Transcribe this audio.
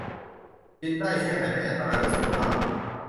กินได้แค่ไหนไม่อันตรายต่อสุขภาพ